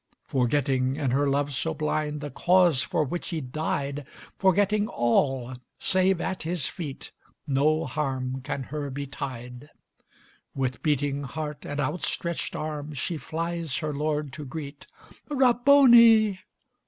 Forgetting, in her love so blind The cause for which He'd died, Forgetting all save at His feet No harm can her betide, With beating heart and outstretched arms She flies her Lord to greet. "Rabboni!"